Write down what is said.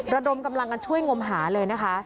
ระดมกำลังกันช่วยงมหาเลยนะคะ